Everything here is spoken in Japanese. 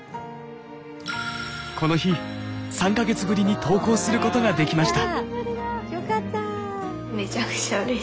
この日３か月ぶりに登校することができました。